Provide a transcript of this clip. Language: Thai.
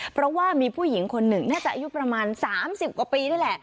เพราะว่ามีผู้หญิงคนหนึ่งน่าจะอายุประมาณ๓๐กว่าปีนี่แหละ